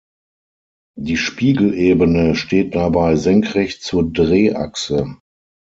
Die Spiegelebene steht dabei senkrecht zur Drehachse.